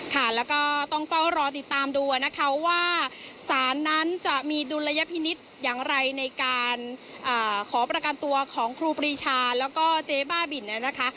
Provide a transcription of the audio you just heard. ค่ะแล้วก็ต้องเฝ้ารอติดตามดูนะคะว่าสารนั้นจะมีดุลยพินิษฐ์อย่างไรในการขอประกันตัวของครูปรีชาแล้วก็เจ๊บ้าบินเนี่ยนะคะ